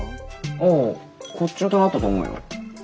ああこっちの棚あったと思うよ。